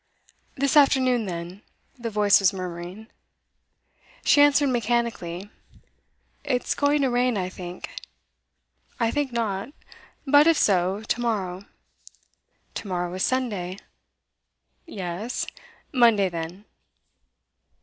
'This afternoon, then,' the voice was murmuring. She answered mechanically. 'It's going to rain, I think.' 'I think not. But, if so, to morrow.' 'To morrow is Sunday.' 'Yes. Monday, then.